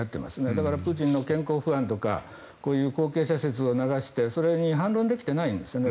だからプーチンの健康不安とかこういう後継者説を流してそれに反論できてないんですね。